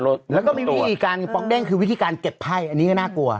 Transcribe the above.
แล้วก็มีวิธีการป๊อกเด้งคือวิธีการเก็บไพ่อันนี้ก็น่ากลัว